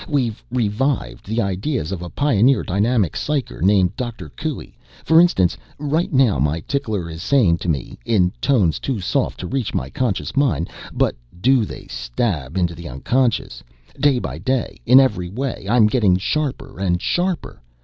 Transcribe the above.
We've revived the ideas of a pioneer dynamic psycher named Dr. Coué. For instance, right now my tickler is saying to me in tones too soft to reach my conscious mind, but do they stab into the unconscious! 'Day by day in every way I'm getting sharper and sharper.'